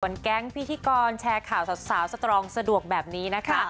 แก๊งพิธีกรแชร์ข่าวสาวสตรองสะดวกแบบนี้นะคะ